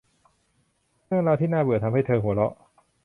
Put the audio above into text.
เรื่องราวที่น่าเบื่อทำให้เธอหัวเราะ